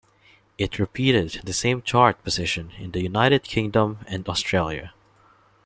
It repeated the same chart position in the United Kingdom and Australia.